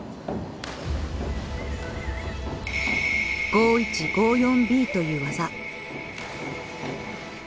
「５１５４Ｂ」という技。